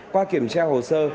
qua kiểm tra hồ sơ